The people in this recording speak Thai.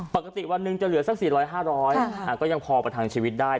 ปกติวันหนึ่งจะเหลือสัก๔๐๐๕๐๐ก็ยังพอประทังชีวิตได้